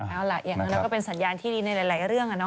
เอาล่ะอย่างนั้นเราก็เป็นสัญญาณที่ดีในหลายเรื่อง